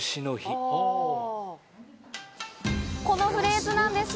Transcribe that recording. このフレーズなんです。